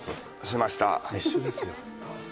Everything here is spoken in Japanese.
一緒ですよ。